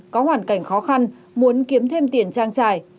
có hoàn cảnh khó khăn muốn kiếm thêm tiền trang trải